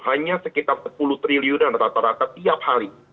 hanya sekitar sepuluh triliunan rata rata tiap hari